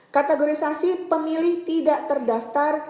kategorisasi pemilih tidak terdaftar